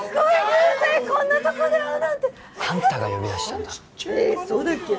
偶然こんなとこで会うなんてあんたが呼び出したんだろえそうだっけ？